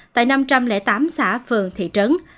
tại năm trăm linh tám xã phường thị trấn